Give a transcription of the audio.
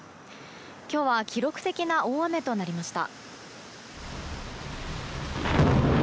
今日は記録的な大雨となりました。